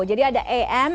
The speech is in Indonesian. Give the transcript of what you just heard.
jadi ada am